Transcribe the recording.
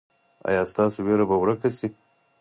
ایا ستاسو ویره به ورکه شي؟